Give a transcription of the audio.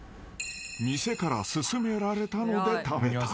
［店から勧められたので食べた。